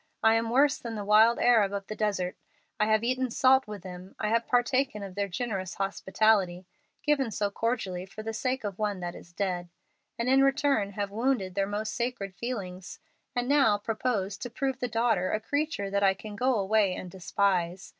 I am worse than the wild Arab of the desert. I have eaten salt with them; I have partaken of their generous hospitality, given so cordially for the sake of one that is dead, and in return have wounded their most sacred feelings, and now propose to prove the daughter a creature that I can go away and despise.